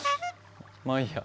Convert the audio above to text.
まあいいや。